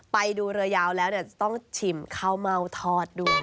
ไปดูเรือยาวแล้วจะต้องชิมข้าวเม่าทอดด้วย